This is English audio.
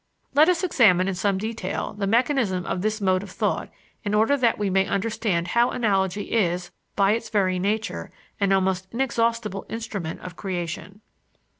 Let us examine in some detail the mechanism of this mode of thought in order that we may understand how analogy is, by its very nature, an almost inexhaustible instrument of creation.